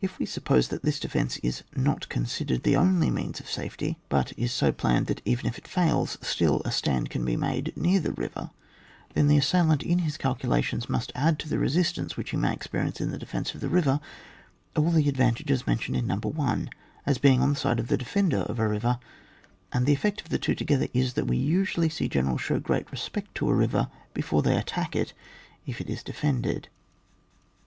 If we suppose that this defence is not considered the only means of safety, but is so planned that even if it fails, still a stand can be made near the river, then the assailant in his calculations must add tu the re* sistance which he may experience in the defence of the river, all tiiie advantages mentioned in No. 1, as being on the aide of the defender of a river, and the effect of the two together is, that we usually see generals show great respect to a river before they attack it if it is de fended.